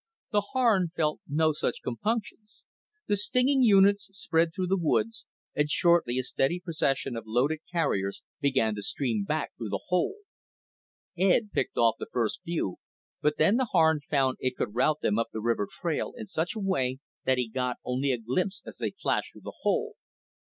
The Harn felt no such compunctions. The stinging units spread through the woods, and shortly a steady procession of loaded carriers began to stream back through the hole. Ed picked off the first few, but then the Harn found it could route them up the river trail in such a way that he got only a glimpse as they flashed through the hole.